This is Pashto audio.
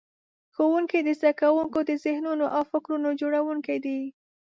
ښوونکي د زده کوونکو د ذهنونو او فکرونو جوړونکي دي.